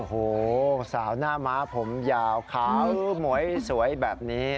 โอ้โหสาวหน้าม้าผมยาวขาวหมวยสวยแบบนี้